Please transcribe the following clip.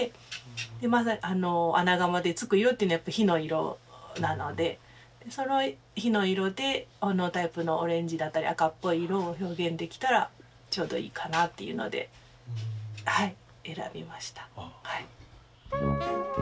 で穴窯でつくよっていうのはやっぱ火の色なのでその火の色でほのおタイプのオレンジだったり赤っぽい色を表現できたらちょうどいいかなっていうのではい選びましたはい。